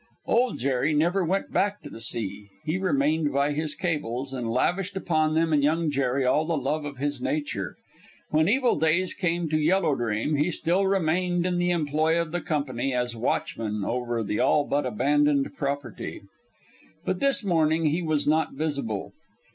Old Jerry never went back to the sea. He remained by his cables, and lavished upon them and Young Jerry all the love of his nature. When evil days came to the Yellow Dream, he still remained in the employ of the company as watchman over the all but abandoned property. But this morning he was not visible.